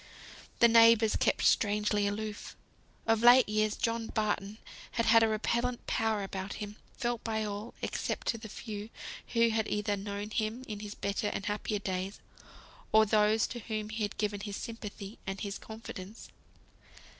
The neighbours kept strangely aloof. Of late years John Barton had had a repellent power about him, felt by all, except to the few who had either known him in his better and happier days, or those to whom he had given his sympathy and his confidence.